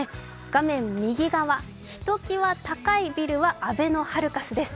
画面右側、ひときわ高いビルはあべのハルカスです。